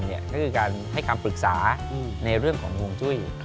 ก็คือการให้คำปรึกษาในเรื่องของห่วงจุ้ย